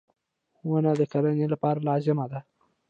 • ونه د کرنې لپاره لازمي ده.